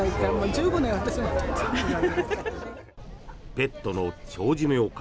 ペットの長寿命化